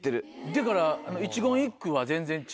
だから。